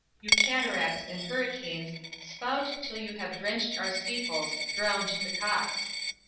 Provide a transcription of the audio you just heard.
You cataracts, and hurricanes, spout Till you have drenched our steeples, drowned the cocks!